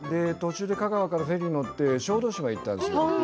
香川からフェリーに乗って小豆島に行ったんですよ。